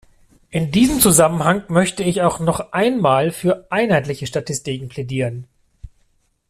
In diesem Zusammenhang möchte ich auch noch einmal für einheitliche Statistiken plädieren.